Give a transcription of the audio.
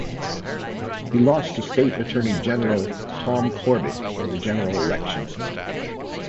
He lost to State Attorney General Tom Corbett in the general election.